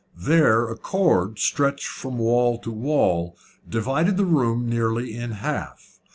There a cord, stretched from wall to wall, divided the room nearly in half.